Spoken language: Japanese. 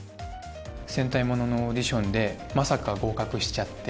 戦隊モノのオーディションでまさか合格しちゃって。